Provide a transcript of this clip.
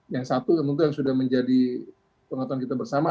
yang satu tentu yang sudah menjadi pengetahuan kita bersama